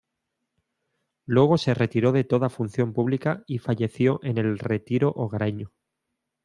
Luego se retiró de toda función pública y falleció en el retiro hogareño.